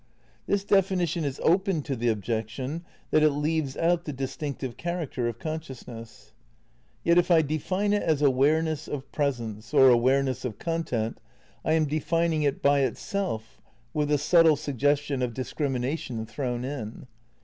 This definition is open to the objection that it leaves out the distinctive character of consciousness. Yet if I define it as awareness of presence, or awareness of content, I am defining it by itself with the subtle suggestion of discrimination thrown in.